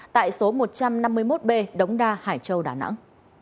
tại số một trăm năm mươi một b đống đa hải châu đà nẵng